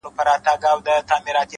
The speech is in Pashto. په یو نظر کي مي د سترگو په لړم نیسې،